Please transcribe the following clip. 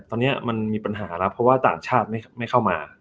ตอนนี้มันมีปัญหาแล้วเพราะว่าต่างชาติไม่เข้ามา